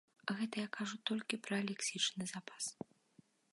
Гэта я кажу толькі пра лексічны запас.